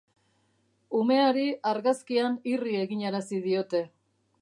Umeari argazkian irri eginarazi diote.